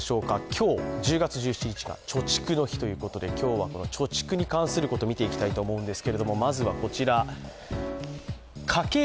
今日１０月１７日は貯蓄の日ということで、今日は貯蓄に関することを見ていきたいと思います。